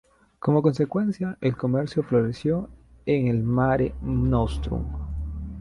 Como consecuencia, el comercio floreció en el "Mare Nostrum".